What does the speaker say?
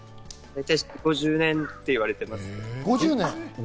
５０年と言われています。